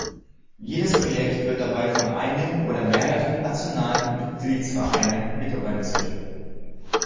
Jedes Projekt wird dabei von einem oder mehreren nationalen Mitgliedsvereinen mitorganisiert.